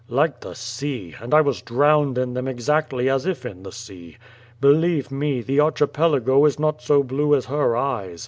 ''Like the sea, and I was drowncfd in them exactly as if in the sea. Believe me, the Archipelago is not so blue as her eyes.